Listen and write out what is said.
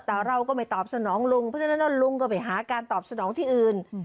แต่เราก็ไม่ตอบสนองลุงเพราะฉะนั้นแล้วลุงก็ไปหาการตอบสนองที่อื่น